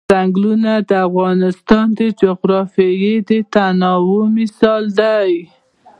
ځنګلونه د افغانستان د جغرافیوي تنوع مثال دی.